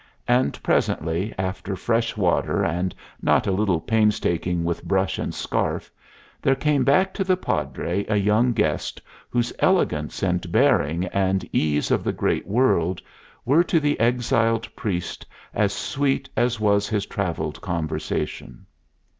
And presently, after fresh water and not a little painstaking with brush and scarf, there came back to the Padre a young guest whose elegance and bearing and ease of the great world were to the exiled priest as sweet as was his traveled conversation.